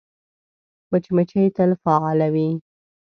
مچمچۍ تل فعاله وي